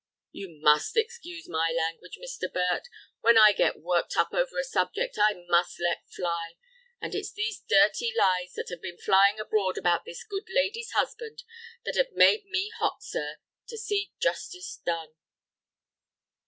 "You must excuse my language, Mr. Burt; when I get worked up over a subject I must let fly. And it's these dirty lies that have been flying abroad about this good lady's husband that have made me hot, sir, to see justice done."